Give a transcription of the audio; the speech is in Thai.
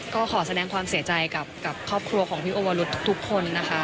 ก็ขอแสดงความเสียใจกับครอบครัวของพี่โอวรุธทุกคนนะคะ